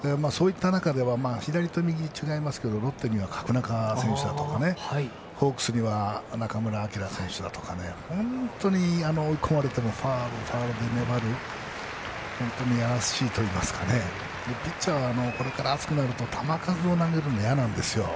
左と右は違いますけどロッテには角中選手だとかホークスには中村晃選手だとか本当に追い込まれてもファウル、ファウルで粘る嫌らしいといいますかねピッチャーはこれから暑くなると球数を投げるのが嫌なんです。